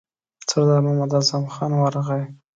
سردار محمد اعظم خان ورغی.